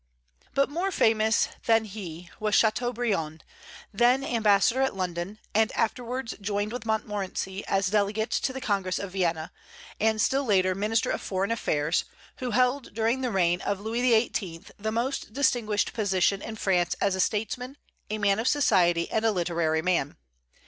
But more famous than he was Châteaubriand, then ambassador at London, and afterwards joined with Montmorency as delegate to the Congress of Vienna, and still later Minister of Foreign Affairs, who held during the reign of Louis XVIII. the most distinguished position in France as a statesman, a man of society, and a literary man.